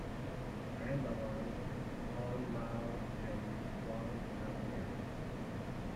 Randulang, Long Mio and Long Pasia.